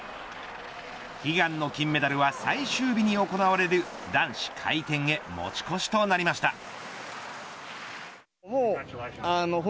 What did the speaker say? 悲願の金メダルは最終日に行われる男子回転へ持ち越しとなりました。